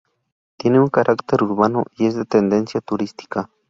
Tiene un carácter urbano y es de tendencia turística.